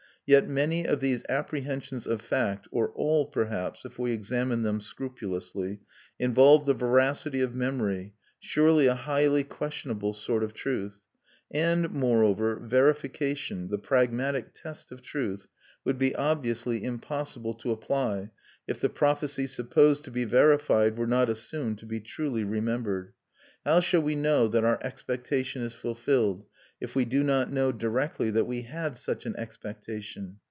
Yet many of these apprehensions of fact (or all, perhaps, if we examine them scrupulously) involve the veracity of memory, surely a highly questionable sort of truth; and, moreover, verification, the pragmatic test of truth, would be obviously impossible to apply, if the prophecy supposed to be verified were not assumed to be truly remembered. How shall we know that our expectation is fulfilled, if we do not know directly that we had such an expectation?